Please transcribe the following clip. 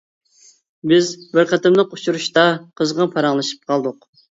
بىز بىر قېتىملىق ئۇچرىشىشتا قىزغىن پاراڭلىشىپ قالدۇق.